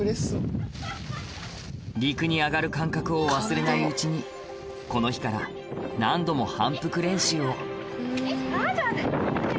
陸に上がる感覚を忘れないうちにこの日から何度も反復練習をあぁ上手。